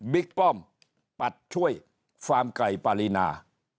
ป้อมปัดช่วยฟาร์มไก่ปารีนา